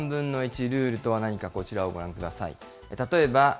３分の１ルールとは何か、こちらをご覧ください。